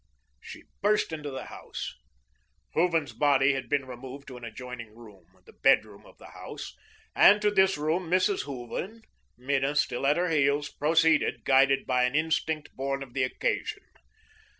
She burst into the house. Hooven's body had been removed to an adjoining room, the bedroom of the house, and to this room Mrs. Hooven Minna still at her heels proceeded, guided by an instinct born of the occasion.